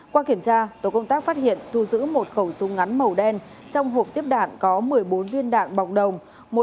qua kiểm tra tổ công tác phát hiện thu giữ một khẩu súng ngắn màu đen trong hộp tiếp đạn có một mươi bốn viên đạn bọc đồng